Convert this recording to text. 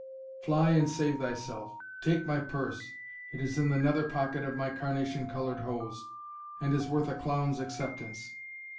Fly and save thyself! Take my purse it is in the nether pocket of my carnation coloured hose and is worth a clown's acceptance.